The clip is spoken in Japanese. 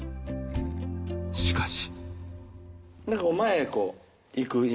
しかし。